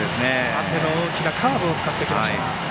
縦の大きなカーブを使ってきました。